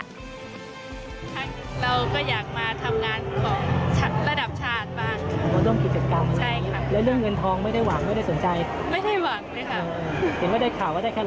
เราก็อยากมาทำงานของระดับชาติบ้าง